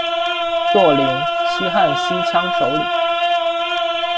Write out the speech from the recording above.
若零，西汉西羌首领。